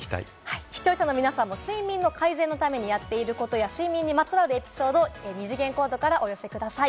視聴者の皆さんも睡眠改善のためにやっていることや、睡眠にまつわるエピソードを二次元コードからお寄せください。